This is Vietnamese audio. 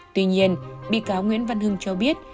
tuy nhiên bị cáo nguyễn văn hưng cho biết